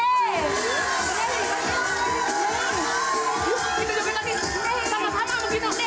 tiba tiba jauhin lagi